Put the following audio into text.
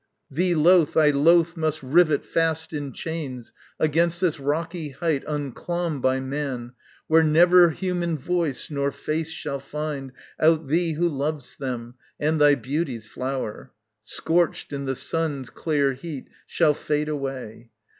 Thee loth, I loth must rivet fast in chains Against this rocky height unclomb by man, Where never human voice nor face shall find Out thee who lov'st them, and thy beauty's flower, Scorched in the sun's clear heat, shall fade away.